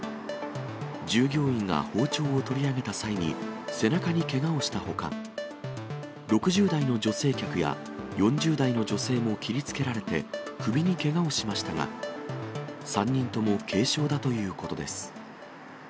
従業員が包丁を取り上げた際に背中にけがをしたほか、６０代の女性客や４０代の女性も切りつけられて、首にけがをしましたが、３人とも軽傷だということです。